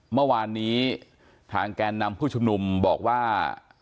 เมื่อวานนี้ทางแกนนำผู้ชุมนุมบอกว่า